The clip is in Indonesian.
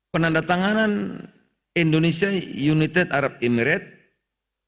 penandatangan indonesia united arab emirates